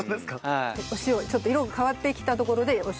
ちょっと色が変わってきたところでお塩。